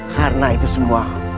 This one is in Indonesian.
karena itu semua